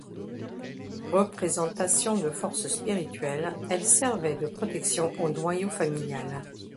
Représentations de forces spirituelles, elles servaient de protection au noyau familial.